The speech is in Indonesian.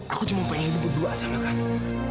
aku cuma mau hidup berdua sama kamu